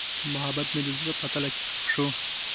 محبت مې د زړه په تله کې ښخ شو.